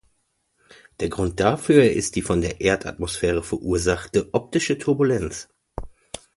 Der Grund dafür ist die von der Erdatmosphäre verursachte optische Turbulenz.